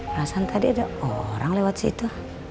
perasaan tadi ada orang lewat situ